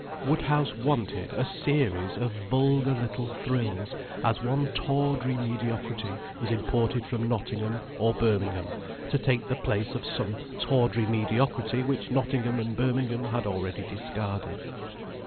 Woodhouse wanted a series of vulgar little thrills, as one tawdry mediocrity was imported from Nottingham or Birmingham to take the place of some tawdry mediocrity which Nottingham and Birmingham had already discarded.